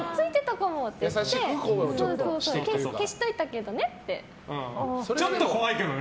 消しといたけどね、って。